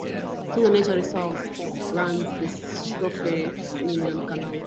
Through the nature reserve runs the Shropshire Union Canal.